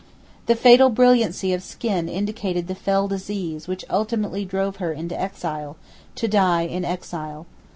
The fatal brilliancy of skin indicated the fell disease which ultimately drove her into exile, to die in exile.